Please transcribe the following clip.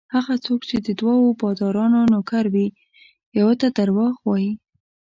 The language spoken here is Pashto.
هغه څوک چې د دوو بادارانو نوکر وي یوه ته درواغ وايي.